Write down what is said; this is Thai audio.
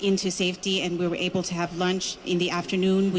นั่นก็แค่นี้แล้ว